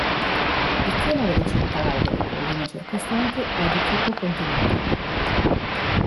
Il clima della città e delle colline circostanti è di tipo continentale.